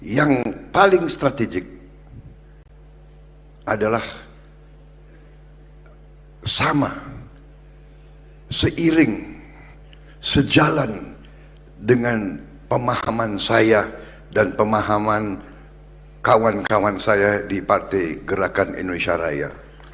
yang paling strategik adalah sama seiring sejalan dengan pemahaman saya dan pemahaman kawan kawan saya di partai gerakan indonesia raya